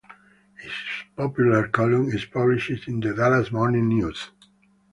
His popular column is published in "The Dallas Morning News".